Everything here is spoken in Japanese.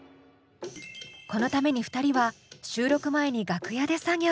このために２人は収録前に楽屋で作業。